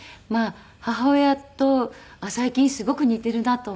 母親と最近すごく似ているなと思ったのがですね